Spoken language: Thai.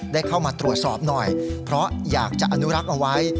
ได้เข้ามาตรวจสอบหน่อยเพราะอยากจะอนุรักษ์เอาไว้